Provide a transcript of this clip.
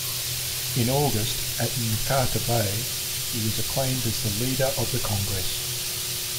In August, at Nkata Bay, he was acclaimed as the leader of the Congress.